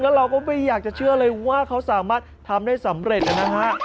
แล้วเราก็ไม่อยากจะเชื่อเลยว่าเขาสามารถทำได้สำเร็จนะฮะ